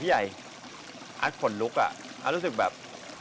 พี่ใหญ่อาจขนลุกอ่ะอาจรู้สึกแบบ